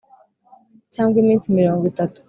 cyangwa iminsi mirongo itatu